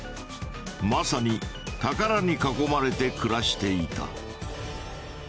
まさに宝に囲まれて暮らしていた。